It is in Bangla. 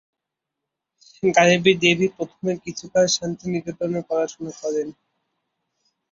গায়ত্রী দেবী প্রথমে কিছুকাল শান্তিনিকেতনে পড়াশোনা করেন।